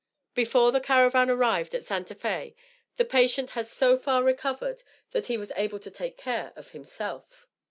Before the caravan arrived at Santa Fé the patient had so far recovered that he was able to take care of himself.